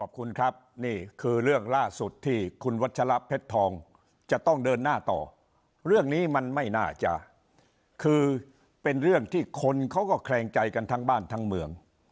ขอบคุณครับนี่คือเรื่องล่าสุดที่คุณวัชละเพชรทองจะต้องเดินหน้าต่อเรื่องนี้มันไม่น่าจะคือเป็นเรื่องที่คนเขาก็แคลงใจกันทั้งบ้านทั้งเมือง